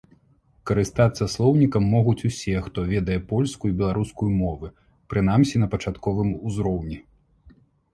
Карыстацца слоўнікам могуць усе, хто ведае польскую і беларускую мовы, прынамсі на пачатковым узроўні.